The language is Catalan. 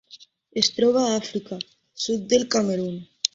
Es troba a Àfrica: sud del Camerun.